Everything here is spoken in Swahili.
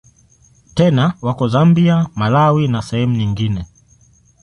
Tena wako Zambia, Malawi na sehemu nyingine.